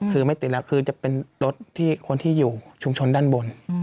คือไม่ติดแล้วคือจะเป็นรถที่คนที่อยู่ชุมชนด้านบน